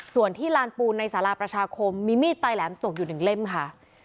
ส่วนที่ลานปูนในสาราประชาคมมีมีดปลายแหลมตกอยู่๑เล่มค่ะ